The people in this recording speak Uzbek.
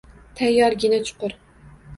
Tayyorgina chuqur!